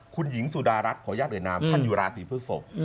คุณหญิงสุดารัฐขอยาตร้ายนามท่านอยู่ราศีพฤทธิ์ศพ